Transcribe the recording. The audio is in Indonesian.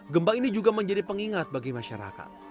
gempa ini juga menjadi pengingat bagi masyarakat